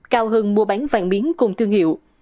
cao hơn mua bán vàng miếng cùng thương hiệu